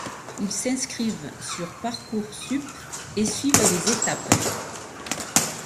Ils s'inscrivent sur Parcoursup et suivent les étapes.